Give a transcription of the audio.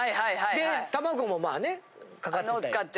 で卵もまあねかかってて。